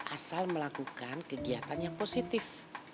asal melakukan kegiatan yang positif